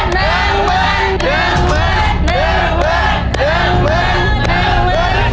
๕๐๐๐บาทครับ